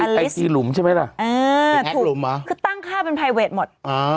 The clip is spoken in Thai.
อีกไอจีหลุมใช่ไหมล่ะคือตั้งค่าเป็นไพเวทหมด